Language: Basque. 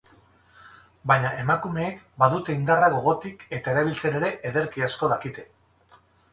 Baina emakumeek badute indarra gogotik eta erabiltzen ere ederki asko dakite.